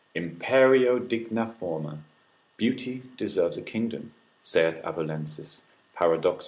Imperio digna forma, beauty deserves a kingdom, saith Abulensis, paradox.